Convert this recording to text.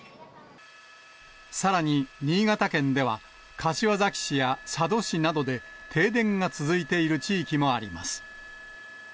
さらに、新潟県では、柏崎市や佐渡市などで停電が続いている地域もあります。